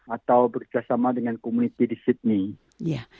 atau berkesama dengan komunitas di sydney